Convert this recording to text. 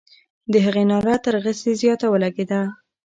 د هغې ناره تر غسي زیاته ولګېده.